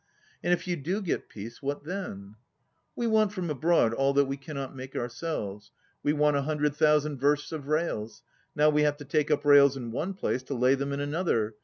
"And if you do get peace, what then^" "We want from abroad all that we cannot make ourselves. We want a hundred thousand versts of rails. Now we have to take up rails in one place to lay them in another.